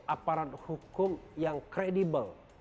aparat hukum yang kredibel